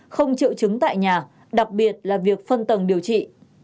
không triệu chứng tại nhà đặc biệt là việc phân tầng điều trị